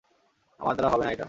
আমার দ্বারা হবেনা এইটা।